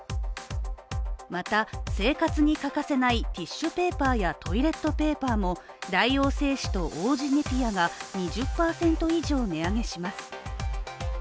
また、生活に欠かせないティッシュペーパーやトイレットペーパーも大王製紙と王子ネピアが２０％以上値上げします。